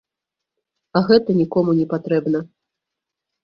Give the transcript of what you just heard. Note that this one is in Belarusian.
А гэта нікому не патрэбна.